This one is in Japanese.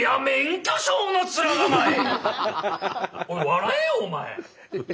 笑えよお前。